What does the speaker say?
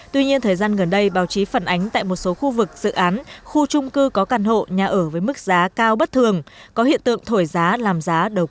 tuy nhiên thời gian gần đây báo chí phản ánh tại một số khu vực dự án khu trung cư có căn hộ nhà ở với mức giá cao bất thường có hiện tượng thổi giá làm giá đầu cơ